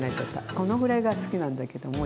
このぐらいが好きなんだけどもういい？